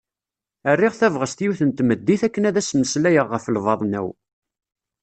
Rriɣ tabɣest yiwet n tmeddit akken ad as-mmeslayeɣ ɣef lbaḍna-w.